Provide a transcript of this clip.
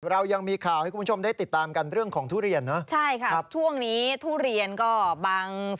เรายังมีข่าวให้คุณผู้ชมได้ติดตามกันเรื่องของทุเรียน